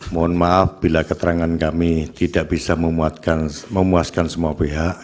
mohon maaf bila keterangan kami tidak bisa memuaskan semua pihak